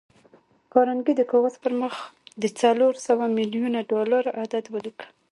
کارنګي د کاغذ پر مخ د څلور سوه ميليونه ډالر عدد وليکه.